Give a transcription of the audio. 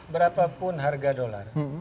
berapapun harga dolar